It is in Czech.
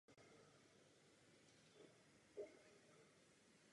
Výrazně se odlišuje množství kvalita a rozmístění přirozeného ochlupení těla.